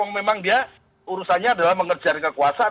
memang dia urusannya adalah mengejar kekuasaan